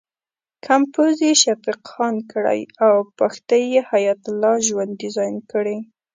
کمپوز یې شفیق خان کړی او پښتۍ یې حیات الله ژوند ډیزاین کړې.